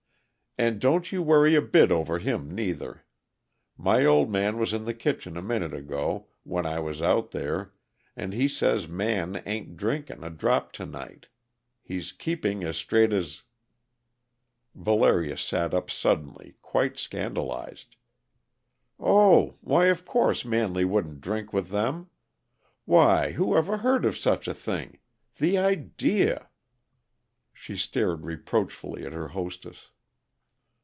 "And don't you worry a bit over him, neither. My old man was in the kitchen a minute ago, when I was out there, and he says Man ain't drinking a drop to night. He's keeping as straight as " Valeria sat up suddenly, quite scandalized. "Oh why, of course Manley wouldn't drink with them! Why who ever heard of such a thing? The idea!" She stared reproachfully at her hostess.